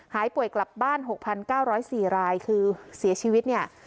หายป่วยกลับบ้านหกพันเก้าร้อยสี่รายคือเสียชีวิตเนี่ย